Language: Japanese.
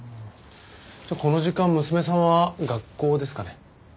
じゃあこの時間娘さんは学校ですかね？